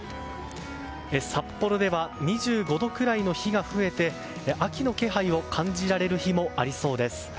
札幌では２５度くらいの日が増えて秋の気配を感じられる日もありそうです。